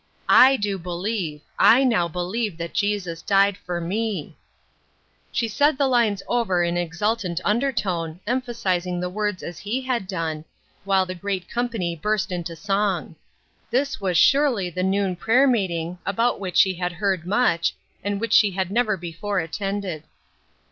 " I do believe, I now believe that Jesus died for me !" She said the lines over in exultant undertone, emphasizing the words as he had done, while the great company burst into song. This was surely the noon prayer meeting, about which she had heard much, and which she had never before attended.